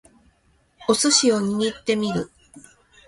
お寿司を握ってみる